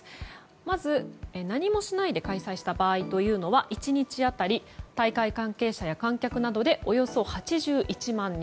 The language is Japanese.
まず、何もしないで開催した場合というのは１日当たり大会関係者や観客などでおよそ８１万人。